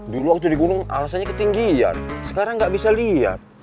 dulu waktu di gunung alasannya ketinggian sekarang nggak bisa lihat